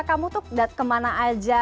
kamu tuh kemana aja